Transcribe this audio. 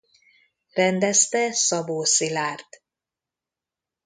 Rendezte Szabó Szilárd.